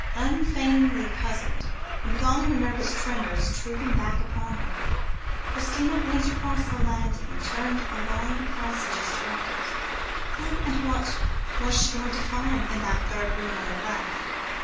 Unfeignedly puzzled, and with all her nervous tremors trooping back upon her, Christina went across the landing, and turned along the passage as directed. Who and what was she going to find in that third room on the left?